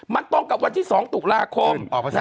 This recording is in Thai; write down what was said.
มันตรงกับวันที่๒ตุลาคม